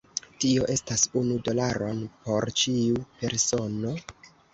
Tio estas unu dolaron por ĉiu persono?